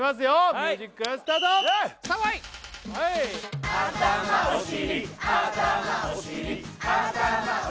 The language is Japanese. ミュージックスタートしし！？